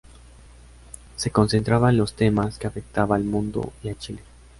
Se concentraba en los temas que afectaban al mundo y a Chile.